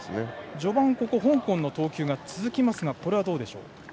序盤は香港の投球が続きますがどうでしょうか。